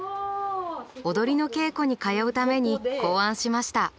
踊りの稽古に通うために考案しました。